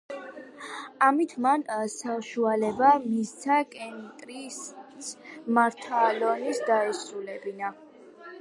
ამით, მან საშუალება მისცა კეტრინს, მარათონი დაესრულებინა.